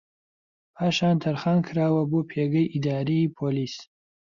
پاشان تەرخان کراوە بۆ پێگەی ئیداریی پۆلیس